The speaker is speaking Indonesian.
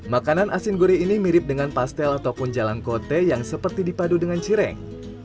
makanan asin gore ini mirip dengan pastel ataupun jalankote yang seperti dipadu dengan cireng